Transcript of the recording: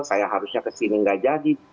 saya harusnya kesini nggak jadi